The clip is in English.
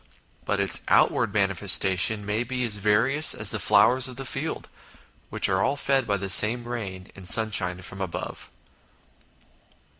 But its outward manifestations may be as various as the flowers of the field which are all fed by the same rain and sunshine from above.